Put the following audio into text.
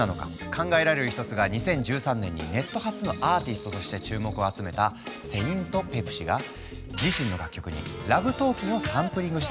考えられる一つが２０１３年にネット発のアーティストとして注目を集めたセイント・ペプシが自身の楽曲に「ＬＯＶＥＴＡＬＫＩＮ’」をサンプリングしたこと。